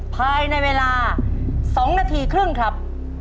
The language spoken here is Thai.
ภายในเวลา๒นาทีครึ่งครับ